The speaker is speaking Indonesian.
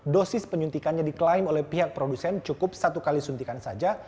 dosis penyuntikannya diklaim oleh pihak produsen cukup satu kali suntikan saja